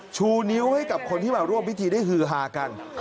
ชูนิ้วให้กับคนที่มาร่วมพิธีได้ฮือฮากัน